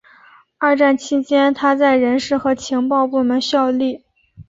二战期间他在人事和情报部门效力。